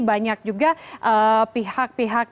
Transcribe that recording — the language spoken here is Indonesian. banyak juga pihak pihak